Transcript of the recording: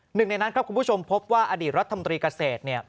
หนึ่งในนั้นครับคุณผู้ชมพบว่าอดีตรัฐมนตรีเกษตรเนี่ย